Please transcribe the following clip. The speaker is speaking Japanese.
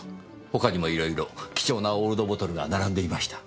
他にもいろいろ貴重なオールドボトルが並んでいました。